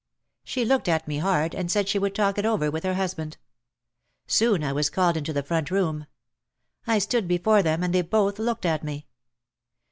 She looked at me hard and said she would talk it over with her husband. Soon I was called into the front room. I stood before them and they both looked at me.